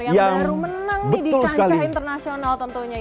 yang baru menang di kancah internasional tentunya